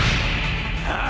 ああ！